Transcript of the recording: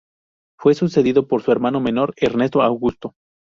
Fue sucedido por su hermano menor Ernesto Augusto.